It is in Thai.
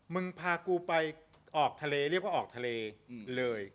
มึงพากูไปออกทะเลเรียกว่าออกทะเลเลย